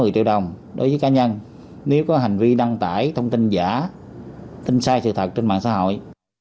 một mươi triệu đồng đối với cá nhân nếu có hành vi đăng tải thông tin giả tin sai sự thật trên mạng xã hội